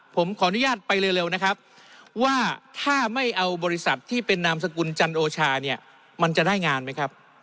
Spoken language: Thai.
ผมขออนุญาตไปเร็วนะครับว่าถ้าไม่เอาบริษัทที่เป็นนามสกุลจันโอชาเนี่ยมันจะได้งานไหมครับ